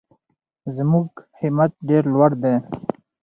زموږ همت ډېر لوړ دی.